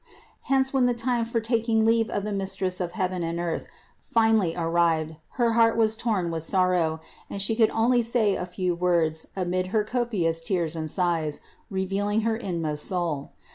Hence, when the time for taking leave of the Mistress of heaven and earth finally arrived her heart was torn with sorrow, and she could say only a few words amid her copious tears and sighs revealing her inmost soul.